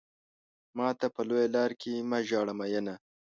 ماته په لويه لار کې مه ژاړه مينه.